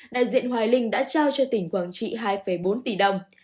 đại diện hoài linh đã trao cho tỉnh quảng trị hai bốn tỷ đồng